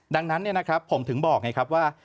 ดังนั้นเนี่ยนะครับผมถึงบอกไงครับว่า